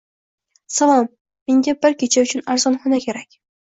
Salom! Menga bir kecha uchun arzon xona kerak.